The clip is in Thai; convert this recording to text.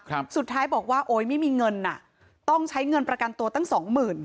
สุดท้ายบอกว่าโอ๊ยไม่มีเงินอ่ะต้องใช้เงินประกันตัวตั้งสองหมื่น